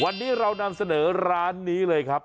วันนี้เรานำเสนอร้านนี้เลยครับ